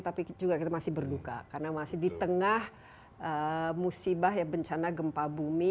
tapi juga kita masih berduka karena masih di tengah musibah bencana gempa bumi